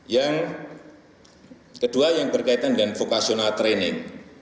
yang kedua yang berkaitan dengan vocational training